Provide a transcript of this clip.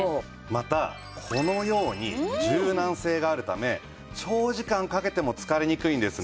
またこのように柔軟性があるため長時間かけても疲れにくいんですね。